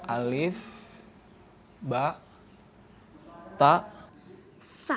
alif bak ta sa